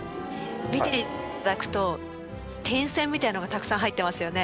見て頂くと点線みたいなのがたくさん入ってますよね。